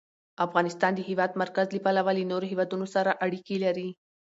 افغانستان د د هېواد مرکز له پلوه له نورو هېوادونو سره اړیکې لري.